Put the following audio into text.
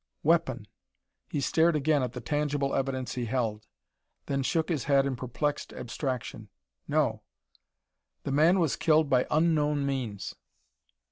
Weapon! He stared again at the tangible evidence he held; then shook his head in perplexed abstraction. No the man was killed by unknown means.